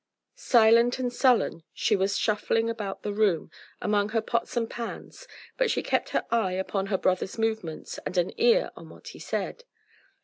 Silent and sullen she was shuffling about in the room, among her pots and pans, but she kept an eye upon her brother's movements and an ear on what he said.